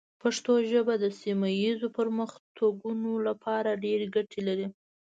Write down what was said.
پښتو ژبه د سیمه ایزو پرمختګونو لپاره ډېرې ګټې لري.